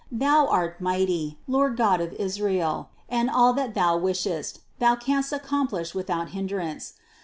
Thou art mighty, Lord God of Israel, and all that Thou wishest, Thou canst accomplish without hindrance.